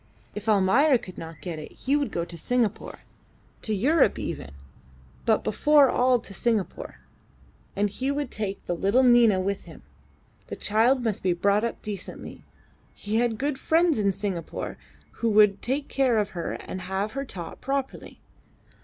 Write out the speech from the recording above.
If Almayer could not get it he would go to Singapore to Europe even, but before all to Singapore; and he would take the little Nina with him. The child must be brought up decently. He had good friends in Singapore who would take care of her and have her taught properly.